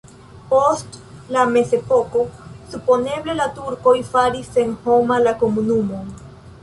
Post la mezepoko supozeble la turkoj faris senhoma la komunumon.